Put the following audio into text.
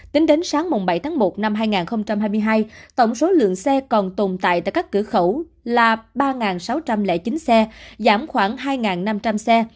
tính đến sáng bảy tháng một năm hai nghìn hai mươi hai tổng số lượng xe còn tồn tại tại các cửa khẩu là ba sáu trăm linh chín xe giảm khoảng hai năm trăm linh xe